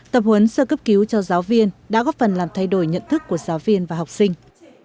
tập huấn sơ cấp cứu cho giáo viên đã góp phần làm thay đổi nhận thức của giáo viên và học sinh